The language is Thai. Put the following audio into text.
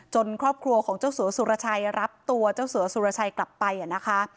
ครอบครัวของเจ้าสัวสุรชัยรับตัวเจ้าสัวสุรชัยกลับไปนะคะ